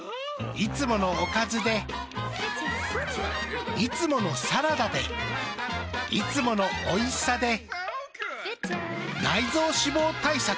いつものおかずでいつものサラダでいつものおいしさで内臓脂肪対策。